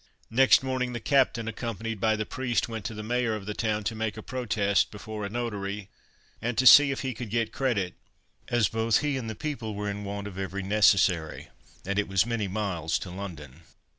Next morning the captain, accompanied by the priest, went to the Mayor of the town to make a protest before a notary, and to see if he could get credit, as both he and the people were in want of every necessary, and it was many miles to London.